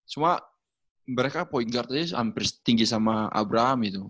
cuma mereka point guardnya hampir tinggi sama abraham itu